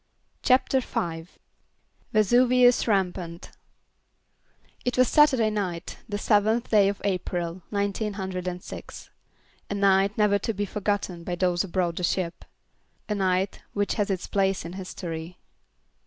CHAPTER V VESUVIUS RAMPANT It was Saturday night, the seventh day of April, nineteen hundred and six a night never to be forgotten by those aboard the ship; a night which has its place in history.